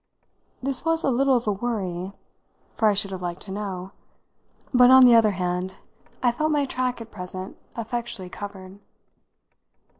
This was a little of a worry, for I should have liked to know; but on the other hand I felt my track at present effectually covered.